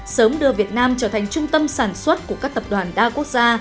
sớm đưa việt nam trở thành trung tâm sản xuất của các tập đoàn đa quốc gia